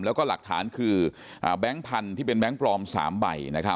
แล้วก็หลักฐานคือแบงค์พันธุ์ที่เป็นแบงค์ปลอม๓ใบ